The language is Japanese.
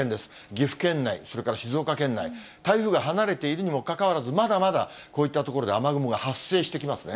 岐阜県内、それから静岡県内、台風が離れているにもかかわらず、まだまだこういった所で雨雲が発生してきますね。